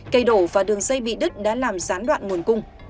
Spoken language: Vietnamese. cây đổ và đường dây bị đứt đã làm gián đoạn nguồn cung